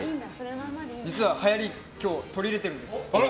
実は、はやり今日取り入れているんです。